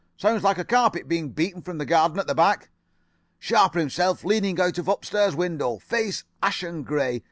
Sound like a carpet being beaten from the garden at the back. Sharper himself leaning out of upstairs window. Face ashen grey.